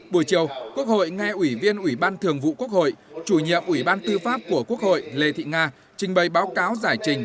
buổi chiều quốc hội nghe ủy viên ủy ban thường vụ quốc hội chủ nhiệm ủy ban tư pháp của quốc hội lê thị nga trình bày báo cáo giải trình